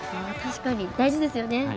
確かに大事ですよね。